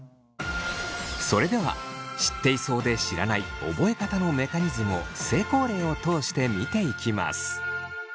それでは知っていそうで知らない覚え方のメカニズムを成功例を通して見ていきます。